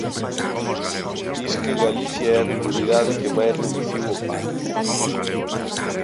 Disque Galicia é a comunidade que máis reduciu o paro.